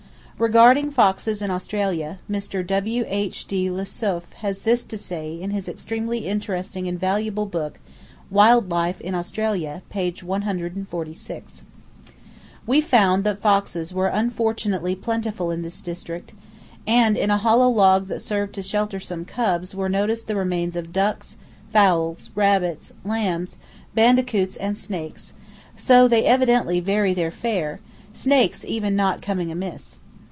Regarding foxes in Australia, Mr. W.H.D. Le Souef has this to say in his extremely interesting and valuable book, "Wild Life in Australia," page 146: "We found that foxes were unfortunately plentiful in this district, and in a hollow log that served to shelter some cubs were noticed the remains of ducks, fowls, rabbits, lambs, bandicoots and snakes; so they evidently vary their fare, snakes even not coming amiss.